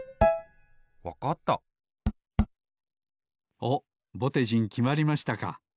おっぼてじんきまりましたか。